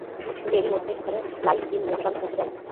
কিন্তু এরই মধ্যে সেখানে লাঈছ বিন মোশান পৌঁছে যায়।